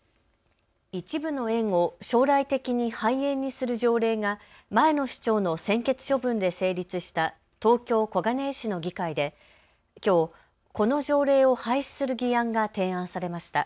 一部の園を将来的に廃園にする条例が前の市長の専決処分で成立した東京小金井市の議会できょうこの条例を廃止する議案が提案されました。